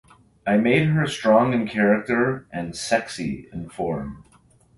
I made her strong in character and sexy in form.